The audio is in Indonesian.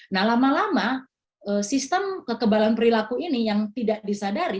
nah lama lama sistem kekebalan perilaku ini yang tidak disadari